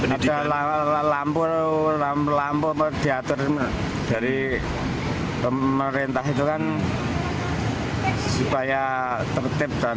ada lampu lampu diatur dari pemerintah itu kan supaya tertib dan